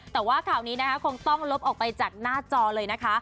แต่ว่าข่าวนี้นะคะคงต้องลบออกไปจากหน้าจอเลยนะคะ